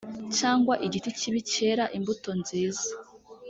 cyangwa igiti kibi cyera imbuto nziza ‽